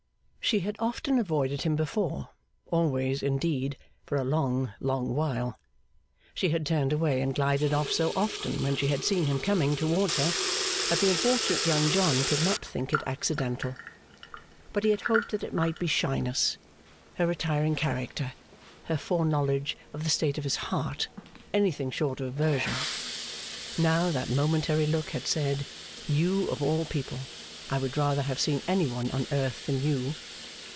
She had often avoided him before always, indeed, for a long, long while. She had turned away and glided off so often when she had seen him coming toward her, that the unfortunate Young John could not think it accidental. But he had hoped that it might be shyness, her retiring character, her foreknowledge of the state of his heart, anything short of aversion. Now, that momentary look had said, 'You, of all people! I would rather have seen any one on earth than you!